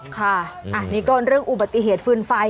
ค่ะอันนี้ก็เรื่องอุบัติเหตุฟืนไฟ